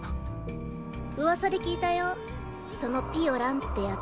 ウワサで聞いたよそのピオランって奴